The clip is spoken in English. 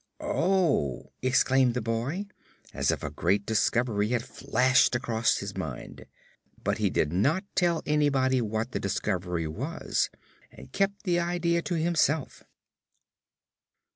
"Oh!" exclaimed the boy, as if a great discovery had flashed across his mind. But he did not tell anybody what the discovery was and kept the idea to himself.